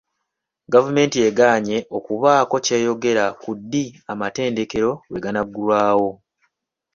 Gavumenti egaanye okubaako kyeyogera ku ddi amatendekero lwe ganaggulawo.